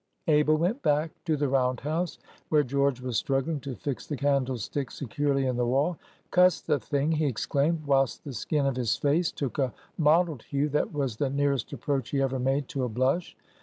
Abel went back to the round house, where George was struggling to fix the candlestick securely in the wall. "Cuss the thing!" he exclaimed, whilst the skin of his face took a mottled hue that was the nearest approach he ever made to a blush.